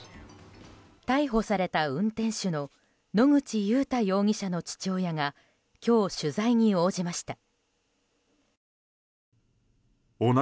逮捕された運転手の野口祐太容疑者の父親が今日、取材に応じました。